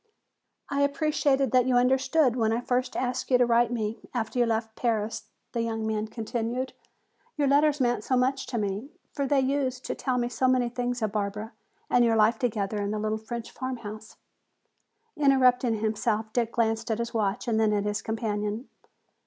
"I appreciated that you understood when I first asked you to write me, after you left Paris," the young man continued. "Your letters meant so much to me, for they used to tell me so many things of Barbara and your life together in the little French farmhouse." Interrupting himself, Dick glanced at his watch and then at his companion.